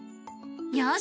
よし！